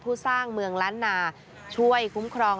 สร้างเมืองล้านนาช่วยคุ้มครอง